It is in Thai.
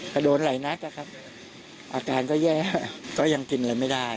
ก็โดนหลายนัดนะครับอาการก็แย่ก็ยังกินอะไรไม่ได้